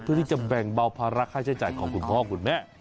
เพื่อที่จะแบ่งเบาภาระค่าใช้จ่ายของคุณพ่อคุณแม่